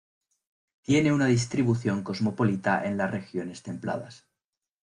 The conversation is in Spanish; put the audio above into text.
Tiene una distribución cosmopolita en las regiones templadas.